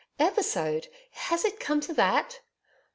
Episode! Has it come to that!